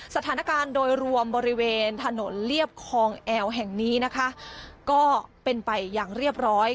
สถานการณ์โดยรวมบริเวณถนนเรียบคลองแอลแห่งนี้นะคะก็เป็นไปอย่างเรียบร้อย